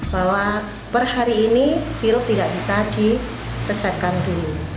bahwa per hari ini sirup tidak bisa diresetkan dulu